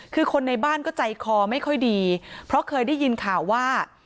คือคนในบ้านก็ใจคอไม่ค่อยดีเพราะเคยได้ยินข่าวว่า